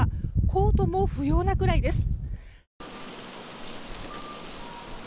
コートも不要なくらいです。